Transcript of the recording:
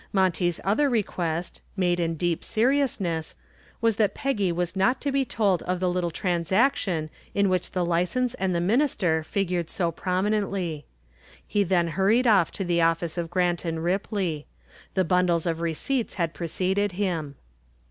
Monty's other request made in deep seriousness was that Peggy was not to be told of the little transaction in which the license and the minister figured so prominently. He then hurried off to the office of Grant & Ripley. The bundles of receipts had preceded him.